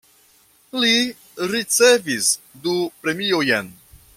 Li ricevis du premiojn.